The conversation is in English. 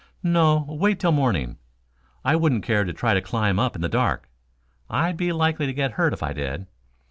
"No; wait till morning. I wouldn't care to try to climb up in the dark. I'd be likely to get hurt if I did.